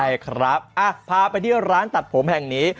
ใช่มาที่หลังที่ร้านตัดผมแห่งนี้